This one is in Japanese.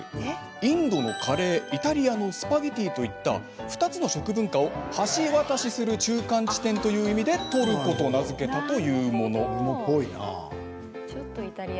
インドのカレーイタリアのスパゲッティといった２つの食文化を橋渡しする中間地点という意味でトルコと名付けたというもの。